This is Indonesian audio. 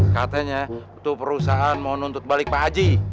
katanya itu perusahaan mau nuntut balik pak haji